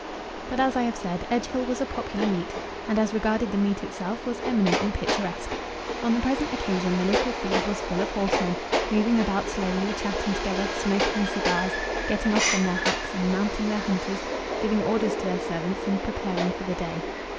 But, as I have said, Edgehill was a popular meet, and, as regarded the meet itself, was eminently picturesque. On the present occasion the little field was full of horsemen, moving about slowly, chatting together, smoking cigars, getting off from their hacks and mounting their hunters, giving orders to their servants, and preparing for the day.